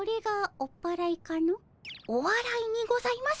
おわらいにございます